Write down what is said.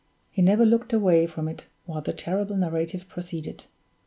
He never looked away from it while the terrible narrative proceeded.